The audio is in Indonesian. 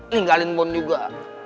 ninggalin bon juga